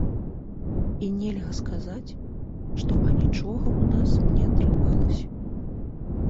І нельга сказаць, што анічога ў нас не атрымалася.